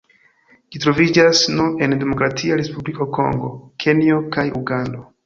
Ĝi troviĝas nur en Demokratia Respubliko Kongo, Kenjo kaj Ugando.